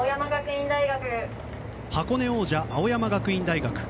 箱根王者・青山学院大学。